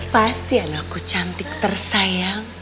pasti anakku cantik tersayang